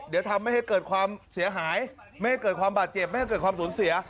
เดี๋ยวทำให้เกิดความเสียหายไม่ให้เกิดความบาดเจ็บไม่ให้เกิดความสูญเสีย